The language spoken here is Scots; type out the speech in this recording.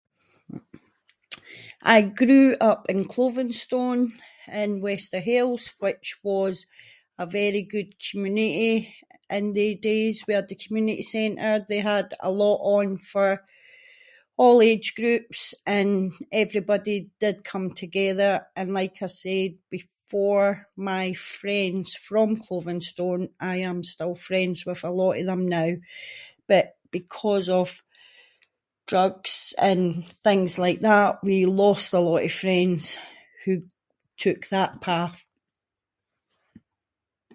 I grew up in Clovenstone in Wester Hailes, which was a very good community in they days. We had a community centre, they had a lot on for all age groups and everybody did come together, and like I said before, my friends from Clovenstone, I am still friends with a lot of them now, but because of drugs and things like that we lost a lot of friends who took that path-